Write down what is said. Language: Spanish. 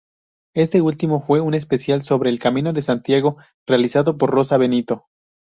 Este último fue un especial sobre el Camino de Santiago, realizado por Rosa Benito.